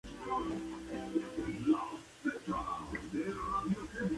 Recientemente ha regresado a España, instalándose en Barcelona junto a su marido.